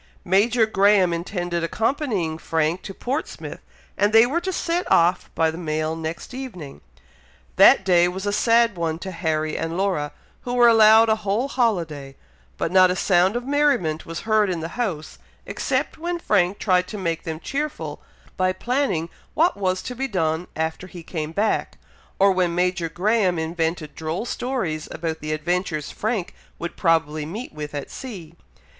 Major Graham intended accompanying Frank to Portsmouth, and they were to set off by the mail next evening. That day was a sad one to Harry and Laura, who were allowed a whole holiday; but not a sound of merriment was heard in the house, except when Frank tried to make them cheerful, by planning what was to be done after he came back, or when Major Graham invented droll stories about the adventures Frank would probably meet with at sea.